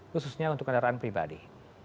khususnya untuk kendaraan pribadi